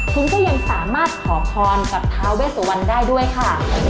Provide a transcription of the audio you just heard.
คุณก็ยังสามารถขอพรกับทาเวสวรรณได้ด้วยค่ะ